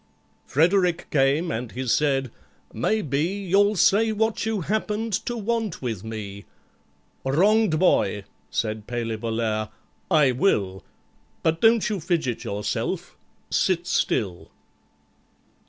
FREDERICK came, and he said, "Maybe You'll say what you happened to want with me?" "Wronged boy," said PALEY VOLLAIRE, "I will, But don't you fidget yourself—sit still."